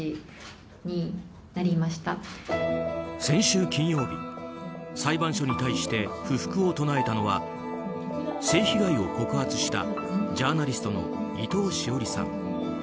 先週金曜日、裁判所に対して不服を唱えたのは性被害を告発したジャーナリストの伊藤詩織さん。